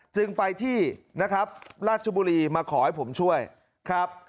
จึงไปที่นะครับราชบุรีมาขอให้ผมช่วยครับ